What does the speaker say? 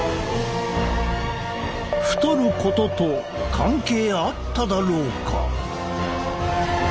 太ることと関係あっただろうか？